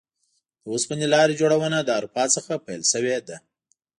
د اوسپنې لارې جوړونه له اروپا څخه پیل شوې ده.